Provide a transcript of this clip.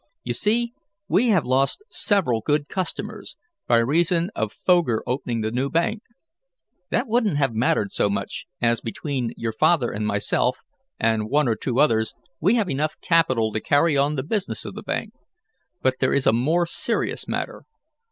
You see we have lost several good customers, by reason of Foger opening the new bank. That wouldn't have mattered so much, as between your father and myself, and one or two others, we have enough capital to carry on the business of the bank. But there is a more serious matter.